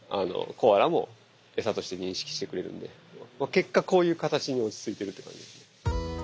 結果こういう形に落ち着いているって感じですね。